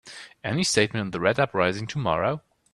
Any statement on the Red uprising tomorrow?